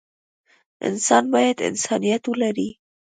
انسان بايد انسانيت ولري.